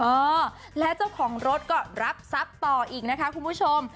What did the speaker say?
เออและเจ้าของรถก็รับทรัพย์ต่ออีกนะคะคุณผู้ชม